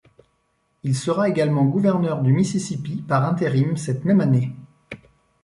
Il sera également gouverneur du Mississippi par intérim cette même année.